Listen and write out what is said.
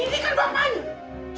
ini kan bapaknya